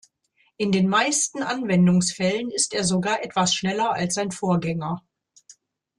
In den meisten Anwendungsfällen ist er sogar etwas schneller als sein Vorgänger.